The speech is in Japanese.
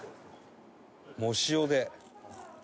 「藻塩で！」